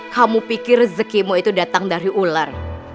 kamu pikir rezeki mu itu datang dari ular